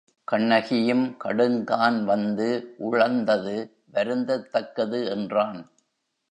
கண்ணகியும் கடுங்கான் வந்து உழந்தது வருந்தத் தக்கது என்றான்.